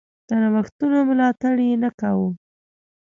د نوښتونو ملاتړ یې نه کاوه.